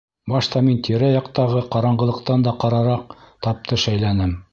Башта мин тирә-яҡтағы ҡараңғылыҡтан да ҡарараҡ тапты шәйләнем.